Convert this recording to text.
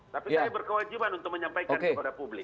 tapi saya berkewajiban untuk menyampaikan kepada publik